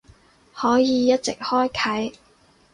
可以一直開啟